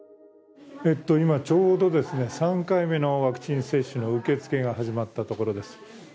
今ちょうど３回目のワクチン接種の受け付けが始まったところです。